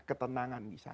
ketenangan di sana